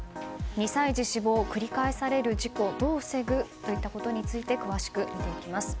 ２歳児死亡、繰り返される事故どう防ぐということについて詳しく見ていきます。